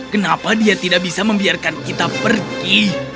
kenapa dia tidak bisa membiarkan kita pergi